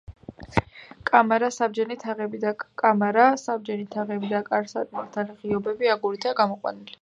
კამარა, საბჯენი თაღები და კარ-სარკმელთა ღიობები აგურითაა გამოყვანილი.